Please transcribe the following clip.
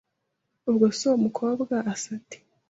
Ubwo se uwo mukobwa asa ate